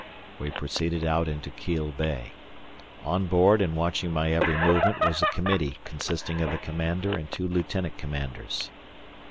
We proceeded out into Kiel Bay. On board and watching my every movement was a committee consisting of a commander and two lieutenant commanders.